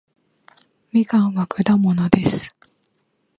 みかんは果物です